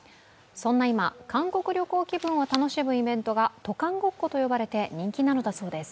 そんな今、韓国旅行気分を楽しむイベントが渡韓ごっこと呼ばれて人気なんだそうです。